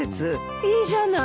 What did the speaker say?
いいじゃない。